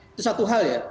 itu satu hal ya